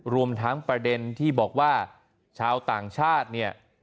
รวมทั้งประเด็นที่บอกว่าชาวต่างชาติเนี่ย